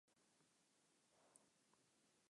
The burial site no longer exists.